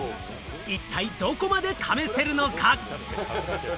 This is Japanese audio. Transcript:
一体どこまで試せるのか。